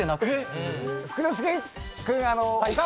福之助君。